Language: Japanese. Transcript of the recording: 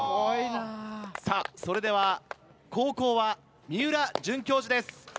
さぁそれでは後攻は三浦准教授です。